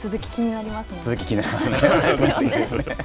続きが気になりますね。